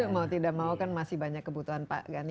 mau tidak mau kan masih banyak kebutuhan pak ganjar